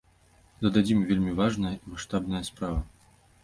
Дададзім, вельмі важная і маштабная справа.